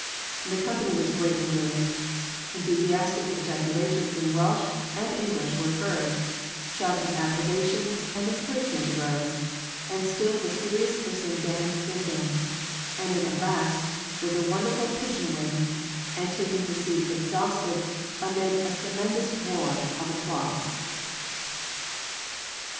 The company was greatly moved; enthusiastic ejaculations in Welsh and English were heard; shouts of approbation and encouragement arose; and still the serious person danced and danced, ending at last with a wonderful pigeon wing, and taking his seat exhausted, amid a tremendous roar of applause.